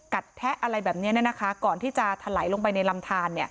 แทะอะไรแบบนี้ก่อนที่จะถลายลงไปในลำทาน